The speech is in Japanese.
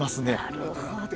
なるほど。